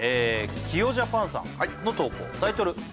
キヨジャパンさんの投稿タイトル